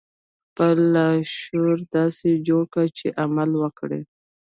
خپل لاشعور داسې جوړ کړئ چې عمل وکړي